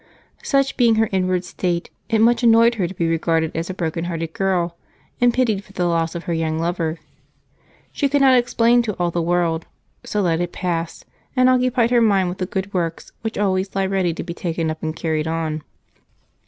Such being her inward state, it much annoyed her to be regarded as a brokenhearted girl and pitied for the loss of her young lover. She could not explain to all the world, so let it pass, and occupied her mind with the good works which always lie ready to be taken up and carried on.